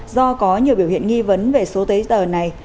do có nhiều biểu hiện nghi vấn về số giấy tờ này